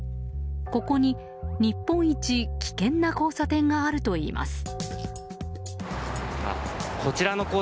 ここに日本一危険な交差点があるといいます。